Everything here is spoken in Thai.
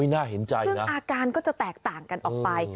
น่าเห็นใจนะอาการก็จะแตกต่างกันออกไป